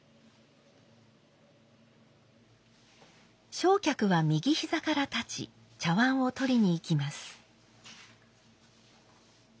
正客は右膝から立ち茶碗を取りに行きます。